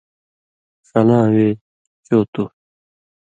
ݜلاں وے چو تُوہہۡ تُھو